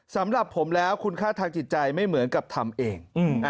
สำหรับผมแล้วคุณค่าทางจิตใจไม่เหมือนกับทำเอง